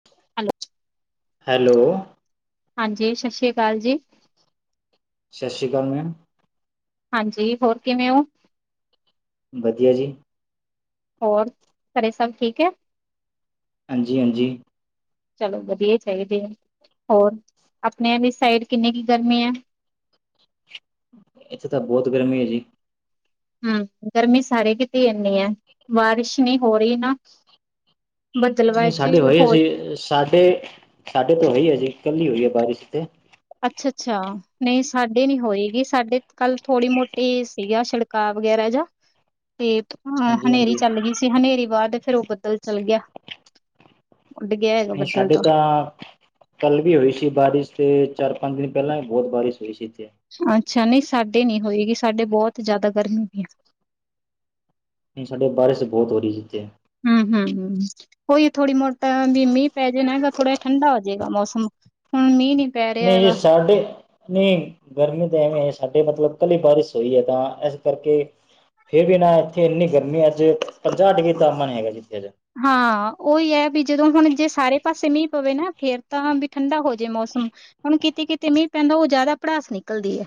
[inaudible] Hello hello ਹਾਂਜੀ ਸ਼ਸ਼ੀ ਆ ਕਾਲ ਜੀ ਸ਼ਸ਼ੀ ਕਾਲ ਮੈਮ ਹਾਂਜੀ ਹੋਰ ਕਿਵੇਂ ਓ? ਵਧੀਆ ਜੀ ਹੋਰ ਘਰੇ ਸਭ ਠੀਕ ਐ? ਹਾਂਜੀ ਹਾਂਜੀ ਚਲੋ ਵਧੀਆ ਈ ਚਾਈਦੇ ਐ। ਹੋਰ ਆਪਣੇ ਦੀ ਸਾਈਡ ਕਿੰਨੀ ਕ ਗਰਮੀ ਐ? ਇੱਥੇ ਤਾਂ ਬੋਤ ਗਰਮੀ ਐ ਜੀ। ਹੰ, ਗਰਮੀ ਸਾਰੀ ਕੀਤੀ ਇੰਨੀ ਏ, ਬਾਰਿਸ਼ ਨਈ ਹੋ ਰਈ ਨਾ। ਨਈ ਬੱਦਲਵਾਜੀ ਸਾਡੇ ਹੋਈ ਏ, ਹੋ ਅਸੀ, ਸਾਡੇ ਸਾਡੇ ਤੇ ਹੋਈ ਏ ਅਜੇ ਕੱਲ ਈ ਹੋਈ ਏ ਬਾਰਿਸ਼, ਇੱਥੇ ਅੱਛਾ-ਅੱਛਾ, ਨਈ ਸਾਡੇ ਨੀ ਹੋਏਗੀ ਸਾਡੇ ਕੱਲ ਥੋੜ੍ਹੀ ਮੋਟੀ ਸੀਗਾ ਸੜਕ ਕਾ ਵਗੈਰਾ ਜਾਂ ਇਹ ਹਾਂ, ਹਾਂਜੀ ਹਨੇਰੀ ਹਾਂਜੀ ਚੱਲ ਗੀ ਸੀ, ਹਨੇਰੀ ਬਾਅਦ ਫੇਰ ਓਹ ਬੱਦਲ ਚੱਲ ਗਿਆ, ਉੱਡ ਗਿਆ। ਨਈ ਸਾਡੇ ਤਾਂ ਕੱਲ ਵੀ ਹੋਈ ਸੀ ਬਾਰਿਸ਼ ਤੇ, ਚਾਰ-ਪੰਜ ਦਿਨ ਪੈਲਾਂ ਵੀ ਬੋਤ ਬਾਰਿਸ਼ ਹੋਈ ਸੀ, ਇੱਥੇ। ਅੱਛਾ, ਨਈ ਸਾਡੇ ਨੀ ਹੋਇਗੀ। ਸਾਡੇ ਬੋਤ ਜਿਆਦਾ ਗਰਮੀ ਹੁੰ, ਸਾਡੇ ਬਾਰਿਸ਼ ਤੇ ਬੋਤ ਹੋਰੀ ਏ ਇੱਥੇ ਹੂੰ-ਹੂੰ-ਹੂੰ ਓਈ ਥੋੜੀ ਮੋਟਾ ਵੀ ਮੀਂਹ ਪੈ ਜਾਣਾ ਹੈਗਾ ਥੋੜਾ ਠੰਡਾ ਹੋ ਜਾਏਗਾ ਮੌਸਮ। ਹੁਨ ਮੀਂਹ ਦੀ ਨਈਂ ਸਾਡੇ ਨਈਂ, ਗਰਮੀ ਤਾਂ ਸਾਡੇ ਮਤਲਬ ਕਲੀ ਬਾਰਿਸ਼ ਹੋਈ ਐ ਤਾਂ ਐਸ ਕਰਕੇ ਫਿਰ ਵੀ ਨਾ ਐਥੇ ਇੰਨੀ ਗਰਮੀ ਅੱਜ ਪੰਜਾਹ ਡਿਗਰੀ ਤਾਪਮਾਨ ਹੈਗਾ ਜੇ ਇੱਥੇ ਅੱਜ ਹਾਂ, ਉਈ ਐ ਬੀ ਜਦੋਂ ਹੁਨ ਜੇ ਸਾਰੇ ਪਾਸੇ ਮੀਂਹ ਪਵੇ ਨਾ ਫੇਰ ਤਾਂ ਬੀ ਠੰਡਾ ਹੋ ਜੇ ਮੌਸਮ। ਹੁਨ ਕਿਤੇ-ਕਿਤੇ ਮੀਂਹ ਪੈਂਦਾ, ਓਹ ਜਿਆਦਾ ਪੜਾਸ ਨਿਕਲਦੀ ਐ।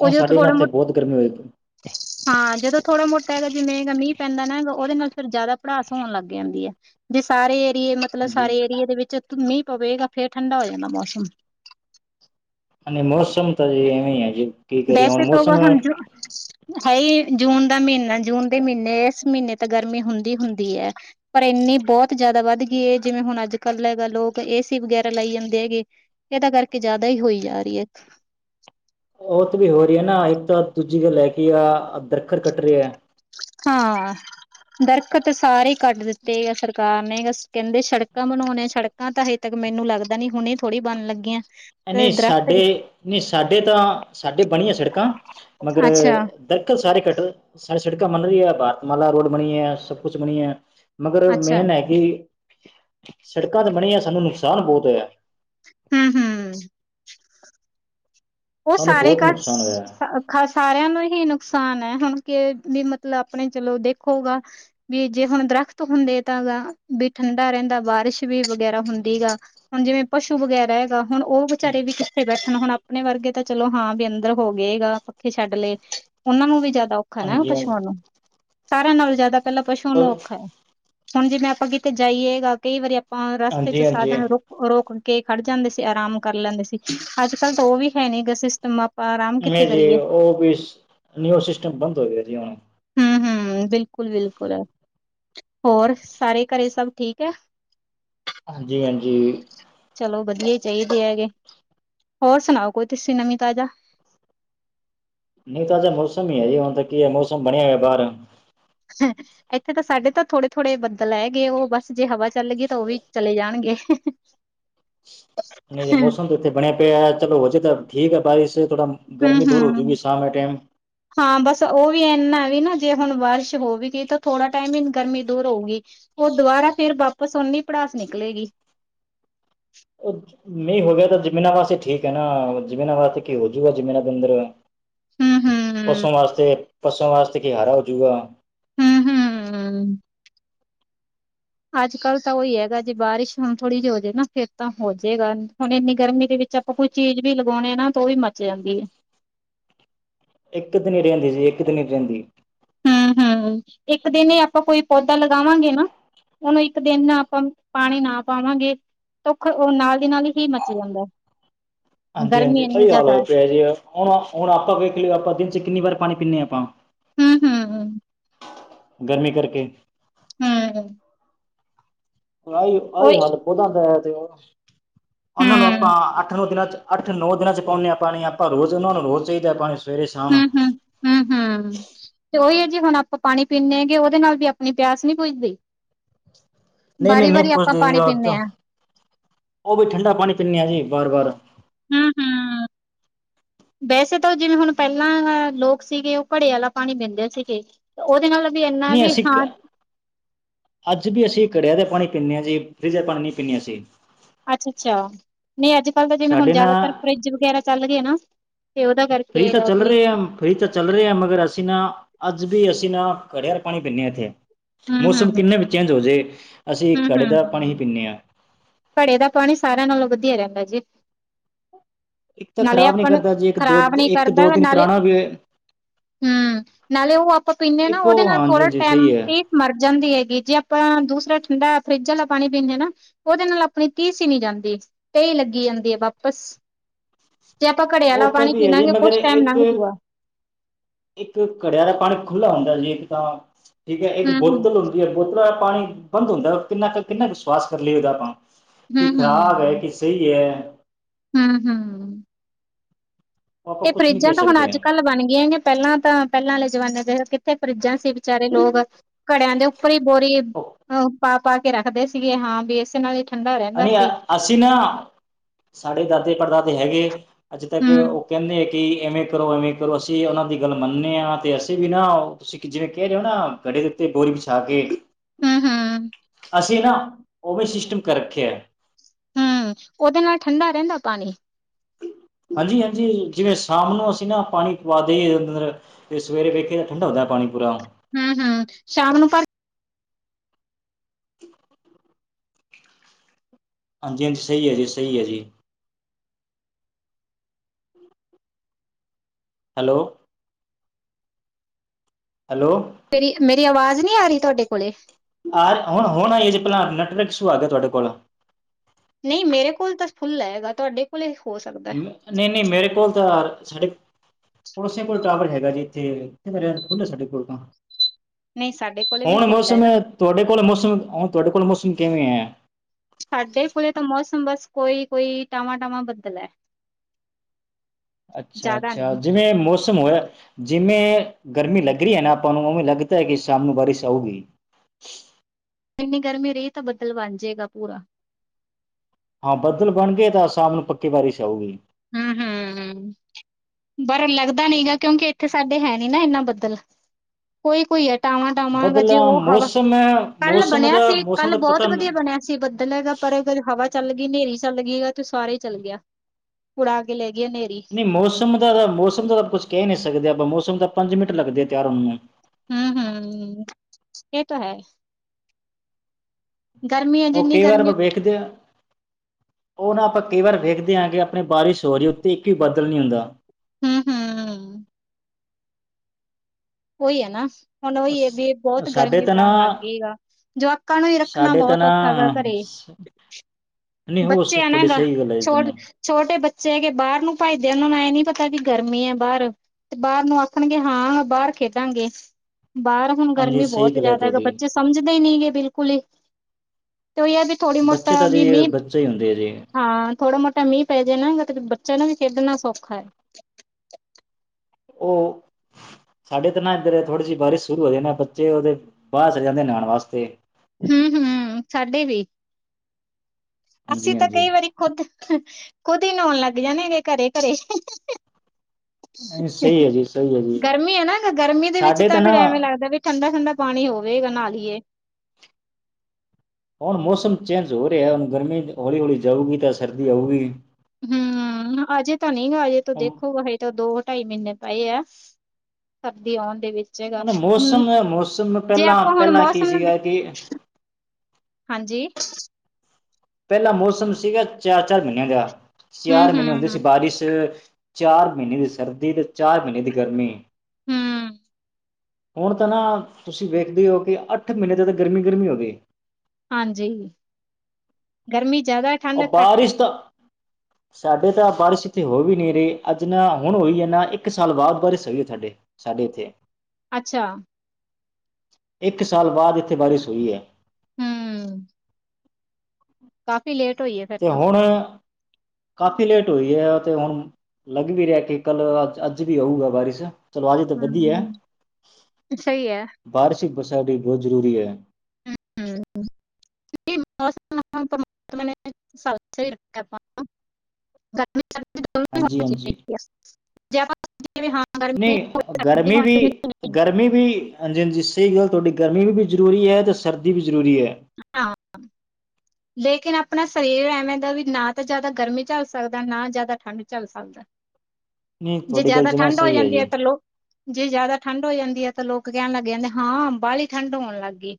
ਓਹ ਜੋ ਸਾਡੇ ਨਾ ਇੱਥੇ ਥੋੜਾ-ਮੋਟ ਬਹੁਤ ਗਰਮੀ ਹੋਈ ਹਾਂ, ਜਦੋਂ ਥੋੜਾ-ਮੋਟਾ ਹੈਗਾ ਜਿਵੇਂ ਮੀਂਹ ਪੈਂਦਾ ਨਾ ਗਾ ਓਹਦੇ ਨਾਲ ਫਿਰ ਜਾਦਾ ਪੜ੍ਹਾਸ ਹੋਨ ਲੱਗ ਜਾਂਦੀ ਏ ਜੇ ਸਾਰੇ ਏਰੀਏ ਮਤਲਬ ਹਾਂਜੀ ਸਾਰੇ ਏਰੀਏ ਦੇ ਵਿੱਚ ਮੀਂਹ ਪਵੇਗਾ ਫੇਰ ਠੰਡਾ ਹੋ ਜਾਂਦਾ ਮੌਸਮ। ਹਲੇ ਮੌਸਮ ਤੇ ਅਜੇ ਇਵੇਂ ਈ ਏ ਜੀ। ਕੀ ਕਰੀਏ ਹੁਣ ਬੈਸੇ ਤੋਂ ਵੋ ਮੌਸਮ ਹਮ ਜੋ ਹੈ ਈ ਜੂਨ ਦਾ ਮਹੀਨਾ, ਜੂਨ ਦੇ ਮਹੀਨੇ ਇਸ ਮਹੀਨੇ ਤਾਂ ਗਰਮੀ ਹੁੰਦੀ ਹੁੰਦੀ ਐ। ਪਰ ਐਨੀ ਬੋਤ ਜਾਦਾ ਵੱਦ ਗਈ ਏ ਜਿਵੇਂ ਹੁਨ ਅੱਜ ਕੱਲ੍ਹ ਹੈਗਾ ਲੋਕ ਏਸੀ ਵਗੈਰਾ ਲਾਈ ਜਾਂਦੇ ਹੈਗੇ ਐਹਦਾ ਕਰਕੇ ਜਿਆਦਾ ਈ ਹੋਈ ਜਾ ਰਹੀ ਏ। ਓਹ ਤੇ ਵੀ ਹੋ ਰਹੀ ਏ ਨਾ ਇੱਕ ਤਾਂ ਦੂਜੀ ਗੱਲ ਐ ਕੇ ਆ ਦੱਰਖਤ ਕੱਟ ਰਏ ਐ। ਹਾਂ, ਦਰਖਤ ਤੇ ਸਾਰੇ ਈ ਕੱਟ ਦਿੱਤੇ ਐ ਸਰਕਾਰ ਨੇ ਬਸ ਕਹਿੰਦੇ ਸੜਕਾਂ ਬਣੌਨੀਆਂ, ਸੜਕਾਂ ਤਾਂ ਹਜੇ ਤੱਕ ਮੈਨੂੰ ਲੱਗਦਾ ਨੀ ਹੁਣੇ ਥੋੜ੍ਹੀ ਬਣਨ ਲੱਗੀਆਂ। ਐ ਤੇ ਨਈਂ ਦਰਖਤ ਸਾਡੇ, ਨਈਂ ਸਾਡੇ ਤਾਂ ਸਾਡੇ ਬਣੀਆਂ ਸੜਕਾਂ ਮਗਰ ਅੱਛਾ ਦਰਖਲ ਸਾਰੇ ਕੱਟ ਰੇ, ਸਾਰੀ ਸੜਕਾਂ ਬਣ ਰਈਐ ਭਾਰਤਮਾਲਾ ਰੋਡ ਬਣੀ ਐ, ਸਭ ਕੁਛ ਬਣੀ ਐ। ਮਗਰ ਅੱਛਾ ਮੇਨ ਹੈ ਕਿ ਸੜਕਾਂ ਤੇ ਬਣੀਆਂ ਸਾਨੂੰ ਨੁਕਸਾਨ ਬੋਤ ਹੋਇਐ। ਹੁੰ-ਹੁੰ, ਓਹ ਸਾਨੂੰ ਸਾਰੇ ਬਹੁਤ ਨੁਕਸਾਨ ਹੋਇਆ ਕਟ-ਕ ਖਾ ਸਾਰਿਆਂ ਨੂੰ ਹੀ ਨੁਕਸਾਨ ਹੈ ਹੁਣ ਕੇ ਵੀ ਮਤਲਬ ਆਪਣੇ ਚਲੋ ਦੇਖੋਗਾ ਬੀ ਜੇ ਹੁਨ ਦਰਖਤ ਹੁੰਦੇ ਤਾਂ ਬੀ ਠੰਡਾ ਰਹਿੰਦਾ ਬਾਰਿਸ਼ ਵੀ ਵਗੈਰਾ ਹੁੰਦੀ ਗਾ। ਹੁਨ ਜਿਵੇਂ ਪਸ਼ੂ ਵਗੈਰਾ ਹੈਗਾ ਹੁਨ ਓਹ ਵਚਾਰੇ ਵੀ ਕਿੱਥੇ ਬੈਠਨ, ਹੁਨ ਆਪਣੇ ਵਰਗੇ ਤਾਂ ਚਲੋ ਹਾਂ ਵੀ ਅੰਦਰ ਹੋ ਗਏਗਾ ਪੱਖੇ ਛੱਡ ਲਏ ਓਹਨਾ ਨੂੰ ਵੀ ਜਿਆਦਾ ਔਖਾ ਨਾ ਹਾਂਜੀ ਪਸ਼ੂਆਂ ਨੂੰ, ਸਾਰਿਆਂ ਨਾਲੋ ਜਿਆਦਾ ਪਹਿਲਾਂ ਪਸ਼ੂਆਂ ਨੂੰ ਹਾਂਜੀ ਔਖਾ ਐ। ਹੁਨ ਜਿਵੇਂ ਆਪਾਂ ਕਿਤੇ ਜਾਈਏ ਗਾ ਕਈ ਵਾਰੀ ਆਪਾਂ ਰਸਤੇ ਚ ਹਾਂਜੀ ਹਾਂਜੀ ਸਾਧਨ ਰੁਕ ਰੋਕ ਕੇ ਖੜ ਜਾਂਦੇ ਸੀ ਆਰਾਮ ਕਰ ਲੈਂਦੇ ਸੀ, ਅੱਜ ਕੱਲ ਤਾਂ ਓਹ ਵੀ ਹੈ ਨੀ ਗਾ ਸਿਸਟਮ ਆਰਾਮ ਨਹੀਂ ਕਿੱਥੇ ਜੀ, ਕਰੀਏ ਓਹ ਵੀ, ਨਈ ਓ ਸਿਸਟਮ ਬੰਦ ਹੋ ਗਿਆ ਜੀ ਹੁਨ। ਹੁੰ-ਹੁੰ, ਬਿਲਕੁਲ-ਬਿਲਕੁਲ। ਹੋਰ ਸਾਰੇ ਘਰੇ ਸਭ ਠੀਕ ਐ? ਹਾਂਜੀ-ਹਾਂਜੀ। ਚਲੋ ਵਦੀਆ ਈ ਚਾਹੀਦੀ ਐ ਹੈਗੇ। ਹੋਰ ਸੁਣਾਓ ਕੋਈ ਤੁਸੀਂ ਨਵੀਂ ਤਾਜਾ? ਨਵੀ ਤਾਂ ਅੱਜ ਮੌਸਮ ਈ ਐ ਜੀ ਹੁਨ ਤਾਂ ਕੀ ਐ ਮੌਸਮ ਬਨਿਆ ਹੋਇਆ ਹੁਨ ਬਾਹਰ। [unintelligible] ਇੱਥੇ ਤਾਂ ਸਾਡੇ ਤਾਂ ਥੋੜੇ- ਥੋੜ੍ਹੇ ਬੱਦਲ ਹੈਗੇ ਏ, ਓ ਬਸ ਜੇ ਹਵਾ ਚੱਲ ਗਈ ਤਾਂ ਓ ਵੀ ਚਲੇ ਜਾਨਗੇ। [inaudible] ਹੁਨ ਜੇ ਮੌਸਮ ਤਾਂ ਉੱਤੇ ਬਨੇਆ ਪੇਆ ਚਲੋ, ਹੋਜੇ ਤਾਂ ਠੀਕ ਆ ਬਾਰਿਸ਼ ਥੋੜਾ ਗਰਮੀ ਦੂਰ ਹੂੰ ਹੋਜੂਗੀ, ਸ਼ਾਮ ਦੇ ਟੈਮ ਹਾਂ, ਬਸ ਓ ਵੀ ਇਨਾ ਵੀ ਨਾ, ਜੇ ਹੁਨ ਬਾਰਿਸ਼ ਹੋਵੀਗੀ, ਤਾਂ ਥੋੜਾ ਟੈਮ ਈ ਗਰਮੀ ਦੂਰ ਹੋਊਗੀ। ਔਰ, ਦੁਬਾਰਾ ਫੇਰ ਵਾਪਸ ਓਨੀ ਪੜਾਸ ਨਿਕਲੇਗੀ। ਓ ਨਈ ਹੋ ਗੇਆ ਤਾਂ ਜ਼ਮੀਨਾਂ ਵਾਸਤੇ ਠੀਕ ਏ ਨਾ, ਜ਼ਮੀਨਾਂ ਵਾਸਤੇ ਕੀ ਹੋਜੂਗਾ ਜ਼ਮੀਨਾਂ ਬੰਦਰ ਪਸੂੋਂ ਹੂੰ-ਹੂੰ-ਹੂੰ-ਹੂੰ ਵਾਸਤੇ ਪਸੂਆਂ ਵਾਸਤੇ ਕੀ ਹਰਾ ਹੋਜੂਗਾ। ਹੂੰ, ਹੂੰ ਅੱਜ-ਕੱਲ੍ਹ ਤਾਂ ਉਹੀ ਹੈਗਾ, ਜੇ ਬਾਰਿਸ਼ ਹੁਨ ਥੋੜੀ ਜੀ ਹੋ ਜੇ ਨਾ, ਫਿਰ ਤਾਂ ਹੋਜੇਗਾ, ਹੁਨ ਇੰਨੀ ਗਰਮੀ ਦੇ ਵਿੱਚ ਚ ਆਪਾਂ ਕੋਈ ਚੀਜ਼ ਵੀ ਲਗਾਓਨੇ ਆ, ਨਾ ਓ ਵੀ ਮਚ ਜਾਂਦੀ ਏ। ਏਕ ਦਿਨ ਰਹਿੰਦੀ ਸੀ, ਏਕ ਦਿਨ ਨੀ ਰਹਿੰਦੀ। ਹੂੰ-ਹੂੰ, ਇੱਕ ਦਿਨ ਹੀ ਆਪਾਂ ਕੋਈ ਪੌਦਾ ਲਗਾਵਾਂਗੇ ਨਾ। ਉਹਨੂੰ ਇੱਕ ਦਿਨ ਨਾ ਆਪਾਂ ਨੂੰ ਪਾਨੀ ਨਾ ਪਾਵਾਂਗੇ। ਧੁੱਖ ਓ ਨਾਲ ਦੀ ਨਾਲ ਹੀ ਮੱਚ ਜਾਂਦਾ ਏ, ਗਰਮੀ ਏਨੀ ਜੇਆਦਾ ਏ। ਹੁਨ-ਹੁਨ ਆਪਾਂ ਵੇਖ ਲੇਓ, ਆਪਾਂ ਦਿਨ ਚ ਕਿੰਨੀ ਵਾਰ ਪਾਨੀ ਪੀਂਨੇ ਆਂ ਆਪਾਂ। ਹੂੰ, ਹੂੰ, ਹੂੰ ਗਰਮੀ ਕਰਕੇ ਹੂੰ ਆਈ- ਆਈ ਹਾਲ ਉਹ ਪੋਦਾਂ ਦੇ ਹੋਏਆ। [inaudible] ਉਹਨਾਂ ਨੂੰ ਆਪਾਂ ਅੱਠ ਨੌ ਦਿਨਾਂ ਚ ਅੱਠ ਨੌ ਦਿਨਾਂ ਚ ਪਾਓਨੇ ਆਂ ਪਾਨੀ, ਆਪਾਂ ਰੋਜ਼ ਉਹਨਾਂ ਨੂੰ ਰੋਜ਼ ਚਾਹੀਦਾ ਪਾਨੀ। ਸਵੇਰੇ -ਸ਼ਾਮ ਹੂੰ-ਹੂੰ, ਹੂੰ-ਹੂੰ ਤੇ ਉਹੀ ਏ, ਜੀ ਹੁਨ ਆਪਾਂ ਪਾਨੀ ਪੀਂਦੇ ਹੈਗੇ ਆਂ ਉਦੇ ਨਾਲ ਵੀ ਆਪਨੀ ਪੇਆਸ ਨੀ ਪੁੱਜਦੀ। [inaudible] ਨਈ-ਨਈ-ਨਈ ਪੁੱਛਦੀ ਜੇ ਪਾਣੀ ਔਰ ਪੀਂਨੇ ਤਾ, ਆ। ਓ ਵੀ ਠੰਡਾ ਪਾਨੀ ਪੀਂਨੇ ਆਂ, ਜੀ ਬਾਰ-ਬਾਰ ਹੂੰ, ਹੂੰ ਵੈਸੇ ਤਾਂ ਓ ਜਿਵੇਂ ਹੁਨ ਪਹਿਲਾਂ ਲੋਕ ਸੀਗੇ, ਓ ਘੜੇ ਆਲਾ ਪਾਨੀ ਪਿੰਦੇ ਸੀਗੇ। ਉਦੇ ਨਾਲ ਵੀ ਇੰਨਾ ਨਹੀਂ ਵੀ ਅਸੀਂ ਹਾਂ ਅੱਜ ਵੀ ਅਸੀਂ ਕੜ੍ਹਿਆ ਦੇ ਪਾਨੀ ਪੀਂਨੇ ਆ, ਜੀ ਫਰਿਜ ਦਾ ਪਾਨੀ ਨੀ ਪੀਂਨੇ ਅਸੀਂ। ਅੱਛਾ, ਅੱਛਾ ਨਈ ਅੱਜ ਕੱਲ ਤਾਂ ਜਿਵੇਂ ਹੁਨ ਸਾਡੇ ਨਾ ਜੇਆਦਾਤਰ ਫਰਿਜ ਵਗੈਰਾ ਚੱਲ ਗਏ ਨਾ, ਤੇ ਉਹਦਾ ਕਰਕੇ ਵੀ ਫਰਿਜ ਤਾਂ ਚੱਲ ਰਹੇ ਆ, ਮਗਰ ਅਸੀਂ ਨਾ ਅੱਜ ਵੀ ਅਸੀਂ ਨਾ ਘੜੇ ਦਾ ਪਾਨੀ ਪੀਨੇ ਆਂ, ਇੱਥੇ ਹੂੰ-ਹੂੰ, ਮੌਸਮ ਕਿੰਨੇ ਵੀ ਚੇਂਜ ਹੋਜੇ, ਅਸੀਂ ਕੜੇ ਦਾ ਪਾਨੀ ਹੀ ਹੂੰ-ਹੂੰ। ਪੀਂਨੇ ਆਂ। ਘੜੇ ਦਾ ਪਾਨੀ ਸਾਰੇਆਂ ਨਾਲੋਂ ਵਧੀਆ ਰਹਿੰਦਾ ਜੀ। ਇੱਕ ਤਾਂ ਨਾਲੇ ਖ਼ਰਾਬ ਨਹੀਂ ਆਪਾਂ ਨੂੰ ਕਰਦਾ ਜੀ ਇੱਕ ਦੋ ਖ਼ਰਾਬ ਨੀ ਇੱਕ ਕਰਦਾ ਦੋ ਦਿਨ ਨਾਲੇ ਪੁਰਾਣਾ ਵੀ ਹੂੰ -ਨਾਲੇ ਓ ਆਪਾਂ ਪੀਂਨੇ ਆ, ਨਾ ਇੱਕੋ ਉਦੇ ਨਾਲ ਹਾਂਜੀ ਥੋੜਾ ਹਾਂਜੀ ਟੈਮ ਸਹੀ ਤੇ ਹੈ ਮਰ ਜਾਂਦੀ ਹੈਗੀ, ਜੇ ਆਪਨਾ ਦੂਸਰਠ- ਠੰਡਾ ਫਰਿੱਜ ਆਲਾ ਪਾਨੀ ਪੀਂਦੇ ਆ ਨਾ, ਉਹਦੇ ਨਾਲ ਆਪਨੀ ਤੀਸ ਹੀ ਨੀ ਜਾਂਦੀ। ਤੇਅ ਹੀ ਲੱਗੀ ਜਾਂਦੀ ਏ ਵਾਪਸ ਜੇ ਆਪਾਂ ਘੜੇ ਵਾਲਾ ਉਹ ਤਾਂ ਪਾਨੀ ਵੀ ਪੀ ਹੈ ਜੀ ਲਾਂਗੇ, ਮਗਰ ਕੁਛ ਟੈਮ ਨੰਗ ਇੱਕ ਜੂਗਾਂ। ਇੱਕ ਘੜੇਆ ਦਾ ਪਾਨੀ ਖੁਲਾ ਹੁੰਦਾ, ਏਕ ਤਾਂ ਠੀਕ ਏ, ਇੱਕ ਹੂੰ-ਹੂੰ, ਬੋਤਲ ਹੁੰਦੀ ਏ, ਬੋਤਲਾਂ ਆਲਾ ਪਾਨੀ ਬੰਦ ਹੁੰਦਾ ਕਿੰਨਾ ਕੁ ਕਿੰਨਾ ਕੁ ਸਵਾਸ ਕਰ ਲਈਏ, ਉਹਦਾ ਆਪਾਂ ਕੀ ਖਰਾਬ ਹੈ, ਹੂੰ-ਹੂੰ। ਕਿ ਸਹੀ ਏ। ਹੂੰ-ਹੂੰ। ਉਹ ਆਪਾਂ ਤੇ ਕੁਛ ਨਹੀਂ ਫਰਿਜਾਂ ਕਹਿ ਤਾਂ ਹੁਣ ਸਕਦੇ ਹਾਂ ਅੱਜ-ਕੱਲ੍ਹ ਬਣ ਗਈਆ ਨੇ। ਪੈਲਾਂ ਤਾਂ ਪੈਲਾਂ ਵਾਲੇ ਜਮਾਨੇ ਦੇ ਕਿੱਥੇ ਫਰਿੱਜਾਂ ਸੀ ਵਿਚਾਰੇ ਲੋਕ ਕੜਿਆਂ ਦੇ ਉ ਥੋਰੀ ਬੋਰੀ ਅ ਪਾ-ਪਾ ਕੇ ਰੱਖਦੇ ਸੀਗੇ, ਹਾਂ ਵੀ ਇਸੇ ਨਾਲ ਹੀ ਅਰੇ ਯਾਰ ਅਸੀਂ ਨਾ, ਸਾਡੇ ਦਾਦੇ ਪੜਦਾਦੇ ਹੈਗੇ। ਅੱਜੇ ਤੱਕ ਓ ਹੂੰ, ਕੈਂਦੇ। ਕਿ ਐਵੇਂ ਕਰੋ ਐਵੇਂ ਕਰੋ, ਅਸੀਂ ਓਨਾਂ ਦੀ ਗੱਲ ਮੰਨਦੇ ਆ ਤੇ ਅਸੀਂ ਵੀ ਨਾ ਤੁਸੀਂ ਜਿਵੇਂ ਕੈ ਰੇਓ ਨਾ। ਗੜੇ ਦੇ ਉਤੇ ਬੋਰੀ ਵਿਛਾ ਕੇ ਹਾਂ-ਹਾਂ। ਅਸੀਂ ਨਾ, ਓਹੀ ਸਿਸਟਮ ਕਰ ਰੱਖਿਆ ਐ। ਹਾਂ ਓਦੇ ਨਾਲ ਠੰਡਾ ਰੇਂਦਾ ਪਾਨੀ। ਹਾਂਜੀ-ਹਾਂਜੀ ਜਿਵੇਂ ਸ਼ਾਮ ਨੂੰ ਅਸੀਂ ਨਾ ਪਾਨੀ ਪਵਾਦੇ ਅਐ ਅੰਦਰ ਤੇ ਸਵੇਰੇ ਵੇਖੇ ਤਾਂ ਠੰਡਾ ਹੁੰਦਾ ਪਾਨੀ ਪੂਰਾ ਹੂੰ-ਹੂੰ ਸ਼ਾਮ ਨੂੰ ਭਰ ਹਾਂਜੀ-ਹਾਂਜੀ ਸਈ ਐ ਜੀ ਸਈ ਐ ਜੀ। ਹੈਲੋ ਹੈਲੋ ਤੇੇਰੀ ਮੇਰੀ ਆਵਾਜ਼ ਨਈ ਆ ਰੀ ਤੁਆਡੇ ਕੋਲੇ? ਆਰ ਹੁਣ-ਹੁਣ ਆਈਏ ਜੇ ਪੈਲਾਂ ਨਟਵਕ ਇਸ਼ੂ ਆ ਗਿਆ ਤੁਆਡੇ ਕੋਲੋ ਨਈ ਮੇਰੇ ਕੋਲ ਤਾਂ ਫੁੱਲ ਹੈਗਾ ਤੁਆਡੇ ਕੋਲੇ ਹੋ ਸਕਦਾ। ਨਈ-ਨਈ ਮੇਰੇ ਕੋਲ ਤਾਂ ਸਾਡੇ ਪੜੋਸੀਆਂ ਕੋਲ ਟਾਵਰ ਹੈਗਾ ਜੀ ਏਥੇੇ ਨੇਟ ਫੂੱਲ ਆ ਸਾਡੇ ਕੋਲ ਤਾਂ ਨਹੀਂ ਸਾਡੇ ਕੋਲੇ ਵੀ ਹੁਣ ਫੁੱਲ ਮੌਸਮ ਹੈਗਾ, ਤੁਆਡੇ ਕੋਲ ਮੌਸਮ ਹੁਣ ਤੁਆਡੇ ਕੋਲ ਮੌਸਮ ਕਿਵੇਂ ਐ? ਸਾਡੇ ਕੋਲੇ ਤਾਂ ਮੌਸਮ ਬਸ ਕੋਈ-ਕੋਈ, ਟਵਾਂ-ਟਵਾਂ ਬੱਦਲ ਏ। ਜ਼ਿਆਦਾ ਅੱਛਾ-ਅੱਛਾ ਨਹੀਂ, ਜਿਵੇਂ ਮੋ ਮੌਸਮ ਹੋਯਾ ਜਿਵੇਂ ਗਰਮੀ ਲੱਗ ਰਹੀ ਐ ਨਾ ਆਪਾਂ ਨੂੰ ਉਵੇਂ ਲੱਗਤਾ ਐ ਕਿ ਸ਼ਾਮ ਨੂੰ ਬਾਰਿਸ਼ ਆਊਗੀ। ਹ ਇੰਨੀ ਗਰਮੀ ਰਈ ਤਾਂ ਬੱਦਲ ਵਣ ਜਾਏਗਾ ਪੂਰਾ। ਹਾਂ ਬੱਦਲ ਬਣ ਗਏ ਤਾਂ ਸ਼ਾਮ ਨੂੰ ਪੱਕੇ ਬਾਰਿਸ਼ ਆਊਗੀ। ਹੂੰ-ਹੂੰ। ਬਰ ਲੱਗਦਾ ਨੀ ਗਾ ਕਿਉਂਕਿ ਏਥੇ ਸਾਡੇ ਹੈ ਨੀ ਨਾ ਇੰਨਾ ਬੱਦਲ ਕੋਈ-ਕੋਈ ਆ ਟਾਵਾਂ-ਟਾਵਾਂ ਵ ਬਦਲਾ ਜੇ ਓ ਹਵਾ, ਮੌਸਮ ਹੈ ਕੱਲ ਮੌਸਮ ਬਣਿਆ ਦਾ ਸੀ ਮੌਸਮ ਕੱਲ ਦਾ ਬੋਤ ਪਤਾ ਵਧੀਆ ਨਹੀਂ ਬਣਿਆ ਸੀ ਬੱਦਲ ਹੈਗਾ ਪਰ ਕਦੀ ਹਵਾ ਚੱਲਗੀ ਨੇਰੀ ਚੱਲਗੀ ਏ ਤੇ ਸਾਰੇ ਈ ਚੱਲ ਗਯਾ। ਉੜਾ ਕੇ ਲੈ ਗਏ ਹਨੇਰੀ। ਮੌਸਮ ਦਾ ਤਾਂ ਮੌਸਮ ਦਾ ਤਾਂ ਕੁਛ ਕੈ ਨੀ ਸਕਦੇ ਆਪਾਂ ਮੌਸਮ ਦਾ ਪੰਜ ਮਿੰਟ ਲੱਗਦੇ ਆ ਤਿਆਰ ਹੋਨ ਨੂੰ ਹੂੰ-ਹੂੰ ਏਹ ਤਾਂ ਹੈ। ਗਰਮੀ ਹੈ ਓ ਜਿੰਨੀ ਕਈ ਵਾਰ ਗਰਮੀ ਤਾਂ ਵੇਖਦੇ ਆ। ਓ ਨਾ ਆਪਾਂ ਕਈ ਵਾਰ ਵੇਖਦੇ ਹੈਗੈ ਐ ਕਿ ਆਪਣੇ ਬਾਰਿਸ਼ ਹੋਰੀ ਹੋਤੀ ਏਕ ਵੀ ਬਦਲ ਨੀ ਹੁੰਦਾ। ਹਾਂ-ਹਾਂ। ਓਈ ਐ ਨਾ। ਹੁਣ ਓਈ ਐ ਵੀ ਅਸ- ਬੋਤ ਸਾਡੇ ਗਰਮੀ ਤਾਂ ਨਾ ਪੈਣ ਲੱਗ ਗਈ ਗਾਂ ਜਵਾਕਾਂ ਨੂੰ ਈ ਰੱਖਣਾ ਸਾਡੇ ਤਾਂ ਬੋਤ ਨਾ ਔਖਾ ਵੇ ਹਾਂ, ਕਰੇ। ਸ- ਨਹੀਂ ਹੋ ਬੱਚੇ ਸ- ਆਨਾ ਤੁਹਾਡੀ ਗਾ ਸਹੀ ਗੱਲ ਹੈ ਛੋਟ ਜਮਾ ਛੋਟੇ ਬੱਚੇ ਹੈਗੇ ਬਾਰ ਨੂੰ ਭੱਜਦੇ ਓਨਾਂ ਨੂੰ ਏਹ ਨੀ ਪਤਾ ਕਿ ਗਰਮੀ ਐ ਬਾਰ। ਤੇ ਬਾਰ ਨੂੰ ਆਖਣਗੇ ਹਾਂ ਬਾਰ ਖੇਡਾਂਗੇ। ਬਾਰ ਹੁਣ ਹਾਂਜੀ ਗਰਮੀ ਸਹੀ ਬੋਤ ਗੱਲ ਹੈ ਜਾਦਾ ਹੈਗਾ ਤੁਹਾਡੀ ਬੱਚੇ ਸਮਝਦੇ ਨੀ ਗੇ ਬਿਲਕੁਲ, ਤੇ ਓਈ ਐ ਵੀ ਥੋੜ੍ਹੀ ਮੋਤ ਵੀ ਮੀ ਸਈ ਹੁੰਦੇ ਜੇ। ਹਾਂ ਥੋੜਾ ਮੋਟਾ ਮੀਂ ਪੈ ਜੇ ਣਾ ਗਾ ਬੱਚਿਆਂ ਨੂੰ ਵੀ ਖੇਡਣਾ ਸੌਖਾ ਐ। ਓ ਸਾਡੇ ਤਾਂ ਨਾ ਏਧਰ ਥੋੜੀ ਜੀ ਬਾਰਿਸ਼ ਸ਼ੁਰੂ ਹੋ ਜੇ ਨਾ ਬੱਚੇ ਓਦੇ ਬਾਰ ਚਲੇ ਜਾਂਦੇ ਨਾਣ ਵਾਸਤੇ। ਹੂੰ ਹੂੰ ਸਾਡੇ ਵੀ। ਅਸੀਂ ਹਾਂਜੀ ਤਾਂ ਹਾਂਜੀ ਕਈ ਵਾਰੀ ਖੁਦ ਖੁਦ ਈ ਨਾਉਣ ਲੱਗ ਜਾਣੇ ਗੇ ਘਰੇ ਘਰੇ। ਸਹੀ ਹੈ ਜੀ ਸਹੀ ਹੈ ਜੀ ਗਰਮੀ ਐ ਨਾ ਗਰਮੀ ਦੇ ਵਿੱਚ ਸਾਡੇ ਤਾਂ ਫੇਰ ਨਾ ਐਵੇਂ ਲੱਗਦਾ ਵੀ। ਥੰਡਾ ਠੰਡਾ ਪਾਣੀ ਹੋਵੇ ਨਾ ਲੀਏ। ਹੁਣ ਮੌਸਮ ਚੇਂਜ ਹੋ ਰਿਆ, ਹੁਣ ਗਰਮੀ ਹੌਲੀ ਹੌਲੀ ਜਾਊਗੀ ਤਾਂ ਸਰਦੀ ਆਊਗੀ। ਹੂੰਅ ਅਜੇ ਤਾਂ ਨੀ ਗਾ ਅਜੇ ਤੋਂ ਦੇਖੋ ਅਜੇ ਤੋਂ ਦੋ ਢਾਈ ਮੀਨੇ ਪਏ ਆ, ਸਰਦੀ ਆਉਣ ਦੇ ਵਿੱਚ। ਜੇ ਗਾ, ਉਹਨੇ ਹੂੰ ਮੌਸਮ ਮੌਸਮ ਜੇ ਪਹਿਲਾਂ ਆਪਾਂ ਹੁਣ ਪਹਿਲਾਂ ਕੀ ਮੌਸਮ ਨੂੰ ਸੀਗਾ ਕਿ ਹਾਂਜੀ ਪੈਲਾ ਮੌਸਮ ਸੀਗਾ ਚਾਰ-ਚਾਰ ਮੀਨਿਆਂ ਦਾ, ਚਾਰ ਹੂੰ-ਹੂੰ, ਮੀਨੇ ਹੁੰਦੀ ਸੀ ਹੂੰ ਬਾਰਿਸ਼। ਚਾਰ ਮੀਨੇ ਦੀ ਸਰਦੀ ਤੇ ਚਾਰ ਮੀਨੇ ਦੀ ਗਰਮੀ। ਹੁੰਅ। ਹੁਣ ਤਾਂ ਨਾ ਤੁਸੀਂ ਵੇਖਦੇ ਓ ਕੀ ਅੱਠ ਮੀਨੇ ਤੋਂ ਤਾਂ ਗਰਮੀ-ਗਰਮੀ ਹੋ ਗੀ। ਹਾਂਜੀ, ਗਰਮੀ ਜ਼ਾਦਾ ਓ ਬਾਰਿਸ਼ ਤਾਂ - [inaudible] ਸਾਡੇ ਤਾਂ ਬਾਰਿਸ਼ ਇੱਥੇ ਹੋ ਵੀ ਨੀ ਰਈ, ਅੱਜ ਨਾ ਹੁਣ ਹੋਈ ਏ ਨਾ ਇੱਕ ਸਾਲ ਬਾਦ ਬਾਰਿਸ਼ ਹੈਈ ਏ ਸਾਡੇ। ਸਾਢੇ ਏਥੇ। ਅੱਛਾ। ਇੱਕ ਸਾਲ ਬਾਦ ਏਥੇ ਬਾਰਿਸ਼ ਹੋਈ ਏ। ਹੂੰ ਕਾਫੀ ਲੇਟ ਹੋਈ ਏ। ਤੇ ਹੁਣ ਕਾਫ਼ੀ ਲੇਟ ਹੋਈ ਐ, ਤੇ ਹੁਣ ਲੱਗ ਵੀ ਰਿਆ ਕਿ ਕੱਲ੍ਹ ਅੱ ਅੱਜ ਵੀ ਹੋਈ ਏ ਬਾਰਿਸ਼। ਚਲੋ ਆਜੇ ਤੇ ਵਧੀਆ, ਹੂੰ ਸਹੀ ਹੈ ਬਾਰਿਸ਼ ਵੀ ਸਾਡੇ ਬੋਤ ਜ਼ਰੂਰੀ ਐ। [unintelligible] [unintelligible] ਹਾਂਜੀ-ਹਾਂਜੀ। [inaudible] [unintelligible] ਨਈ ਸਰਦੀ ਗਰਮੀ ਵੀ, ਹੋਣੀ ਨਹੀਂ ਗਰਮੀ ਵੀ ਹਾਂਜੀ-ਹਾਂਜੀ, ਸਈ ਗੱਲ ਤੁਆਡੀ। ਗਰਮੀ ਵੀ ਜ਼ਰੂਰੀ ਐ ਤੇ ਸਰਦੀ ਵੀ ਜ਼ਰੂਰੀ ਐ। [unintelligible] ਲੇਕਿਨ ਆਪਣਾ ਸਰੀਰ ਐਵੇਂ ਦਾ ਵੀ ਨਾ ਤਾਂ ਜ਼ਾਦਾ ਗਰਮੀ ਝੱਲ ਸਕਦਾ ਨਾ ਜ਼ਾਦਾ ਠੰਢ ਝਲ ਸਕਦਾ। ਨਹੀਂ ਜੇ ਤੁਹਾਡੀ ਗੱਲ ਜਾਦਾ ਜਮਾਂ ਠੰਡ ਹੋ ਸਹੀ ਹੈ ਜਾਂਦੀ ਐ ਜੀ ਤਾਂ ਲੋਕ ਜੇ ਜਾਦਾ ਠੰਢ ਹੋ ਜਾਂਦੀ ਐ ਤਾਂ ਲੋਕ ਕੈਣ ਲੱਗ ਜਾਂਦੇ, ਹਾਂ ਬਾਲੀ ਠੰਢ ਹੋਣ ਲੱਗ ਗੀ।